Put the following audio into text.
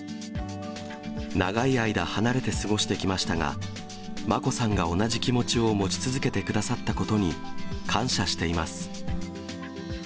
長い間離れて過ごしてきましたが、眞子さんが同じ気持ちを持ち続けてくださったことに感謝しています。